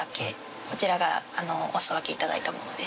こちらがお裾分けで頂いたものです。